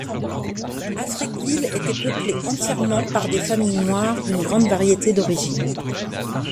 Africville était peuplée entièrement par des familles noires d'une grande variété d'origines.